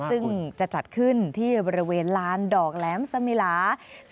ซึ่งจะจัดขึ้นที่บริเวณลานดอกแหลมสมิลา